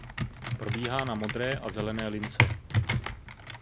Probíhá na modré a zelené lince.